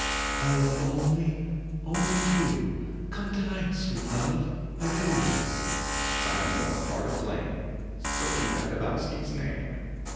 "I love only only you ; Come tonight, sweet love. Adieu !" Signing with a heart aflame, Sofie Jakobowski s name.